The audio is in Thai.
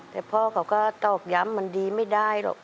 แต่พ่อเขาก็ตอกย้ำมันดีไม่ได้หรอก